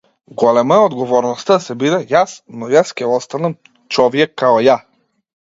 Голема е одговорноста да се биде јас, но јас ќе останам човјек као ја.